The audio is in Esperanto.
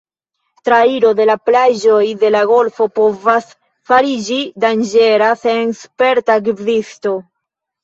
Trairo de la plaĝoj de la golfo povas fariĝi danĝera sen sperta gvidisto.